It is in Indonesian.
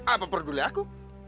apa perlu lah aku